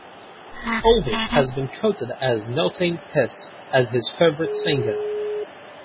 Elvis has been quoted as noting Hess as his favorite singer.